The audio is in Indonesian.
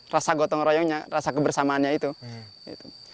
rasa gotong royongnya rasa kebersamaannya itu gitu